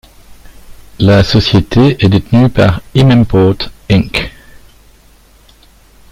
La société est détenue par Himimport Inc.